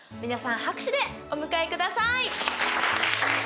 皆さん拍手でお迎えください。